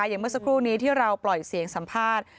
อย่างเมื่อสักครู่นี้ที่เราปล่อยเสียงสัมภาษณ์